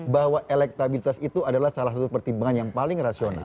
bahwa elektabilitas itu adalah salah satu pertimbangan yang paling rasional